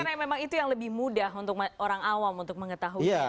karena memang itu yang lebih mudah untuk orang awam untuk mengetahui